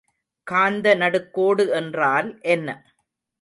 காந்த நடுக்கோடு என்றால் என்ன?